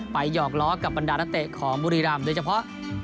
ไปหยอกล้อกับบรรดาณเตะของบุรีรัมน์โดยเฉพาะ